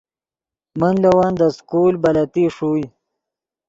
من لے ون دے سکول بلتی ݰوئے